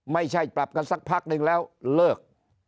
ไม่ใช่ปรับกันสักพักนึงแล้วเลิก